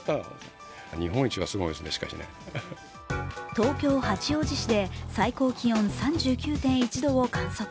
東京・八王子市で最高気温３９．１度を観測。